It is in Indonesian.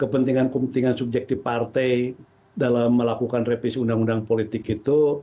kepentingan kepentingan subjektif partai dalam melakukan revisi undang undang politik itu